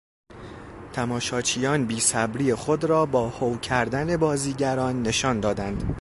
تماشاچیان بیصبری خود را با هو کردن بازیگران نشان دادند.